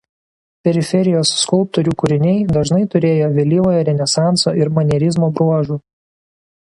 Periferijos skulptorių kūriniai dažnai turėjo vėlyvojo renesanso ir manierizmo bruožų.